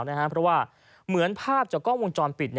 เพราะว่าเหมือนภาพจากกล้องวงจรปิด